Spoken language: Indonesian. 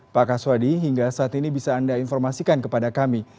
pak kaswadi hingga saat ini bisa anda informasikan kepada kami